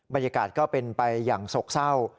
บรรยากาศก็เป็นไปอย่างโศกเศร้า